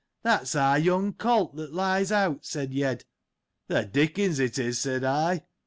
That's our young colt, that lies out, said Yed. The Dickens it is, said I.